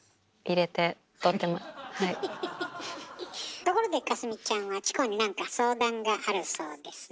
ところで架純ちゃんはチコになんか相談があるそうですね。